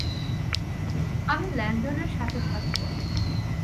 আমি ল্যান্ডনের সাথে থাকব।